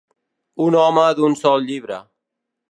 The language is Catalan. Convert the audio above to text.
Un home d'un sol llibre.